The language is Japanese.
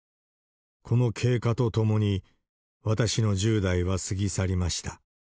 この経過とともに、私の１０代は過ぎ去りました。